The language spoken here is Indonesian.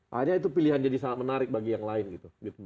hanya itu pilihan jadi sangat menarik bagi yang lain gitu